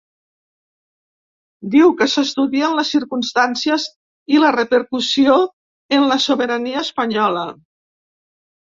Diu que s’estudien ‘les circumstàncies i la repercussió en la sobirania espanyola’.